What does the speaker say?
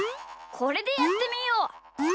これでやってみよう！